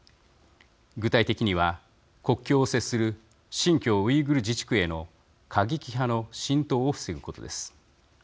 具体的には、国境を接する新疆ウイグル自治区への過激派の浸透を防ぐことです。